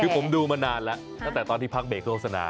คือผมดูมานานแล้วตั้งแต่ตอนที่พักเบรกโฆษณา